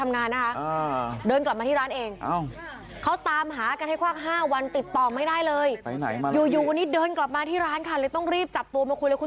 เมาแต่เขาก็จะพูดแค่กับลูกค้าแค่๒คน